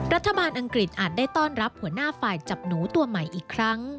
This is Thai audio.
อังกฤษอาจได้ต้อนรับหัวหน้าฝ่ายจับหนูตัวใหม่อีกครั้ง